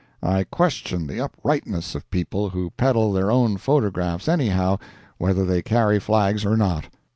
I question the uprightness of people who peddle their own photographs, anyhow, whether they carry flags or not.